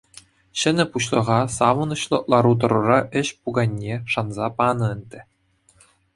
Ҫӗнӗ пуҫлӑха савӑнӑҫлӑ лару-тӑрура ӗҫ пуканне шанса панӑ ӗнтӗ.